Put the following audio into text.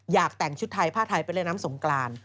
อยากแต่งแผ้าไทยหลายน้ำสงคราน